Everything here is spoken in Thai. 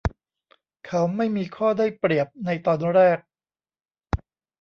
เขาไม่มีข้อได้เปรียบในตอนแรก